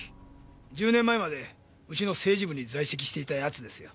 １０年前までうちの政治部に在籍していた奴ですよ。